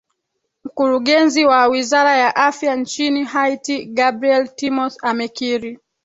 mkurugenzi wa wizara ya afya nchini haiti gabriel timoth amekiri